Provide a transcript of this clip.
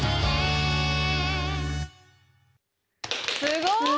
すごい！